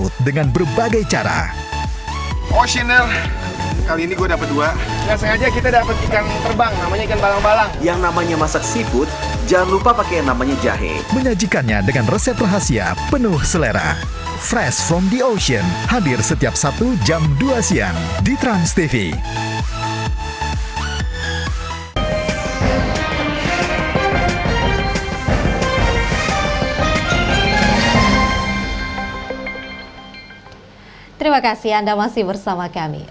terima kasih anda masih bersama kami